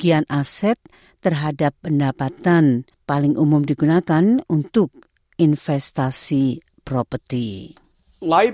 pembelian aset terhadap pendapatan paling umum digunakan untuk investasi properti lain